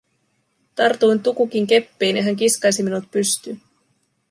Tartuin Tukukin keppiin ja hän kiskaisi minut pystyyn.